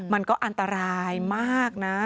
มันก็อันตรายมากนะ